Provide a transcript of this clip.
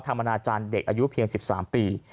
อนาจารย์เด็กอายุเพียง๑๓ปี